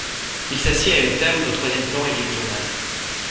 Il s’assied à une table au troisième plan et lit le journal.